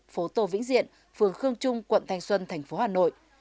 phố tô vĩnh diện phường khương trung quận thanh xuân thành phố hà nội